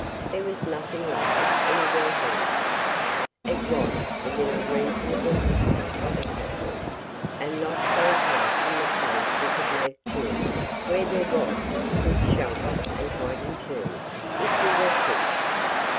There was nothing like it anywhere handy. It was within a reasonable distance of Bathurst, and not so far from a place we could make to, where there was good shelter and hiding too, if we were pushed.